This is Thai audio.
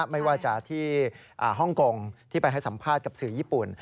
ไม่ว่าจะที่ฮ่องกงที่ไปให้สัมภาษณ์กับสื่อญี่ปุ่น